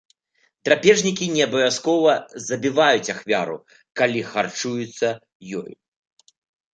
Драпежнікі не абавязкова забіваюць ахвяру, калі харчуюцца ёю.